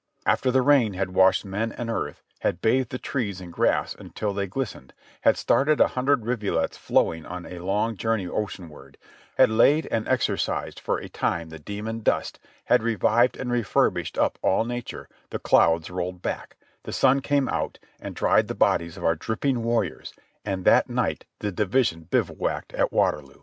After the rain had washed men and earth, had bathed the trees and grass until they glistened, had started a hundred rivulets flowing on a long journey ocean ward, had laid and exorcised for a time the demon Dust, had revived and furbished up all Nature, the clouds rolled back, the sun came out and dried the bodies of our dripping warriors, and that night the division bivouacked at Waterloo.